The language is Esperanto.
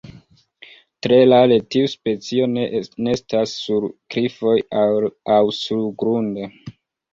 Tre rare tiu specio nestas sur klifoj aŭ surgrunde.